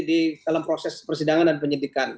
di dalam proses persidangan dan penyidikan